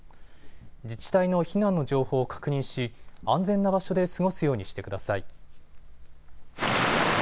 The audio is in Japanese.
自治体の避難の情報を確認し、安全な場所で過ごすようにしてください。